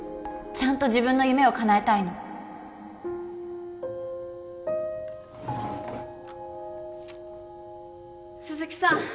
ちゃんと自分の夢をかなえたいの鈴木さん